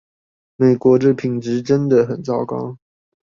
美國的品質真的很糟糕